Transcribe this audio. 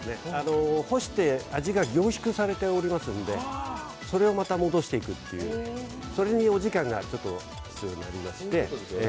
干して、味が凝縮されているわけですから、それをまた戻していくというそれにお時間がかかりまして。